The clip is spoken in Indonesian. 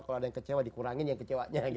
kalau ada yang kecewa dikurangin yang kecewanya